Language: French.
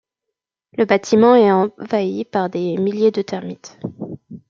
Le bâtiment est envahi par des milliers de termites.